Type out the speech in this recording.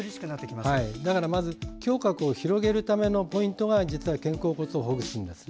だからまず、胸郭を広げるためのポイントが実は肩甲骨ほぐしです。